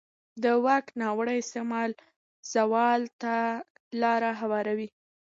د واک ناوړه استعمال زوال ته لاره هواروي